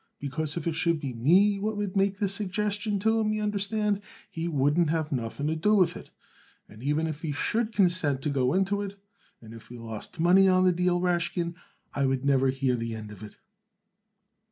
Because if it should be me what would make the suggestion to him, y'understand, he wouldn't have nothing to do with it. And even if he should consent to go into it, and if we lost money on the deal, Rashkin, I wouldn't never hear the end of it."